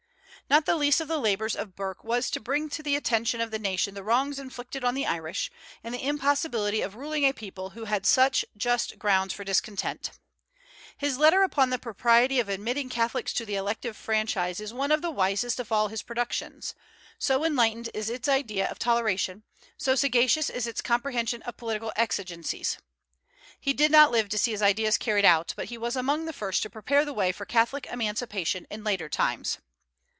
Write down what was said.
Not the least of the labors of Burke was to bring to the attention of the nation the wrongs inflicted on the Irish, and the impossibility of ruling a people who had such just grounds for discontent. "His letter upon the propriety of admitting the Catholics to the elective franchise is one of the wisest of all his productions, so enlightened is its idea of toleration, so sagacious is its comprehension of political exigencies." He did not live to see his ideas carried out, but he was among the first to prepare the way for Catholic emancipation in later times.